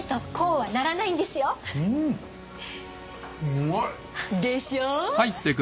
うまい！でしょ？